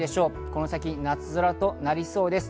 この先、夏空となりそうです。